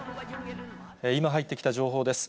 今入ってきた情報です。